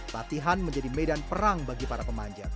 latihan menjadi medan perang bagi para pemanjat